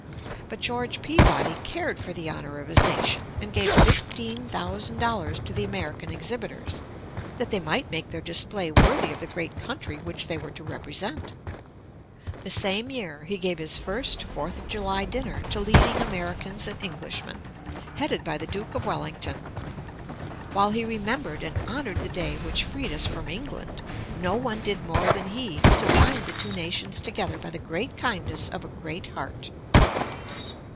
But George Peabody cared for the honor of his nation, and gave fifteen thousand dollars to the American exhibitors, that they might make their display worthy of the great country which they were to represent. The same year, he gave his first Fourth of July dinner to leading Americans and Englishmen, headed by the Duke of Wellington. While he remembered and honored the day which freed us from England, no one did more than he to bind the two nations together by the great kindness of a great heart.